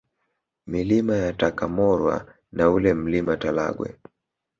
Milima ya Takamorwa na ule Mlima Talagwe